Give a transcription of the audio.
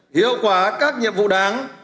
hiệu quả các nhiệm vụ đáng